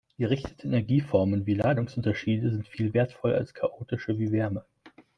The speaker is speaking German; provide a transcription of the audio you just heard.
Gerichtete Energieformen wie Ladungsunterschiede sind viel wertvoller als chaotische wie Wärme.